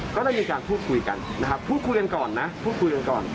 ก็ได้มีการพูดคุยกันนะครับพูดคุยกันก่อนนะพูดคุยกันก่อน